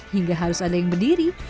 hingga harus ada yang berdiri